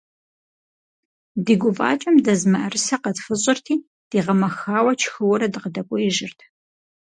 Ди гуфӏакӏэм дэз мыӏэрысэ къэтфыщӏырти, дигъэмэхауэ тшхыуэрэ, дыкъыдэкӏуеижырт.